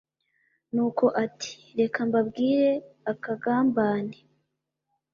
nuko ati:reka mbabwire akagmbane